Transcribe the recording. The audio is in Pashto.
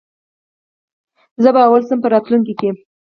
زه به اول شم په راتلونکې کي